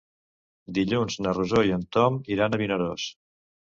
Dilluns na Rosó i en Tom iran a Vinaròs.